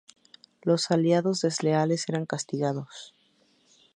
Los aliados desleales eran castigados.